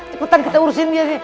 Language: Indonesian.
cepat kita urusin dia